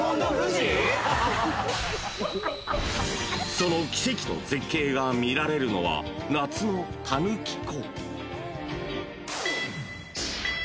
［その奇跡の絶景が見られるのは夏の田貫湖］